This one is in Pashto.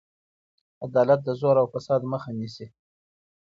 عدالت د زور او فساد مخه نیسي.